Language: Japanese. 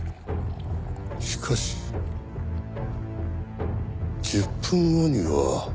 しかし１０分後には。